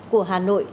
của hà nội